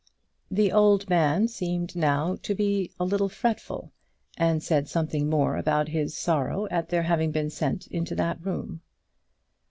The old man seemed now to be a little fretful, and said something more about his sorrow at their having been sent into that room.